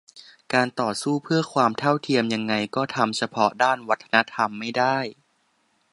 การต่อสู้เพื่อความเท่าเทียมยังไงก็ทำเฉพาะด้านวัฒนธรรมไม่ได้